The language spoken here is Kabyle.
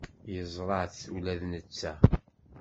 Yeẓra-t ula d netta.